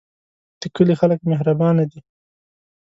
د کلی خلک مهربانه دي